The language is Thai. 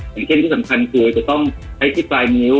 อย่างเช่นที่สำคัญคือจะต้องใช้ที่ปลายนิ้ว